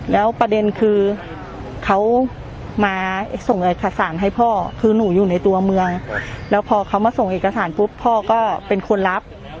แล้วประเด็นคือเขามาส่งเอกสารให้พ่อคือหนูอยู่ในตัวเมืองแล้วพอเขามาส่งเอกสารปุ๊บพ่อก็เป็นคนรับ